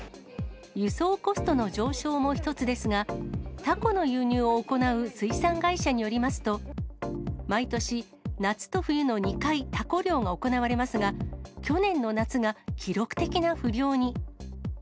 輸送コストの上昇も一つですが、タコの輸入を行う水産会社によりますと、毎年夏と冬の２回、タコ漁が行われますが、去年の夏が記録的な不漁に。